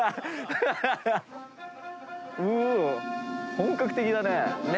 本格的だね。